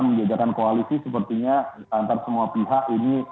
menjagakan koalisi sepertinya antar semua pihak ini